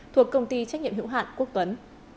thuộc công ty trách nhiệm hữu hạn quốc tuấn